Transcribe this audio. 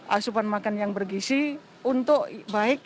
asupan makan yang bergisi untuk baik